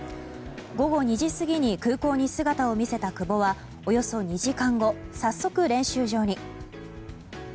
午後２時過ぎに空港に姿を見せた久保はおよそ２時間後さっそく練習場に。